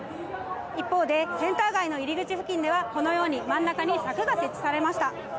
一方で、センター街の入り口付近では、このように真ん中に柵が設置されました。